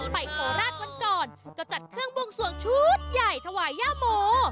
โคราชวันก่อนก็จัดเครื่องบวงสวงชุดใหญ่ถวายย่าโม